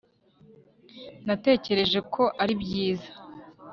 natekereje ko ari byiza